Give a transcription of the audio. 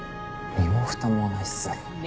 身もふたもないっすね。